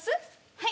はい。